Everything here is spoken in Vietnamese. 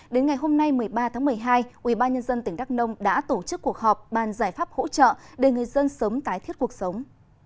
đến ngày hôm nay một mươi ba tháng một mươi hai ubnd tỉnh đắk nông đã tổ chức cuộc họp bàn giải pháp hỗ trợ để người dân sớm tái thiết cuộc sống